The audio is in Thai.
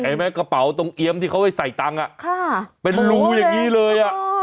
ไหมกระเป๋าตรงเอี๊ยมที่เขาให้ใส่ตังค์เป็นรูอย่างนี้เลย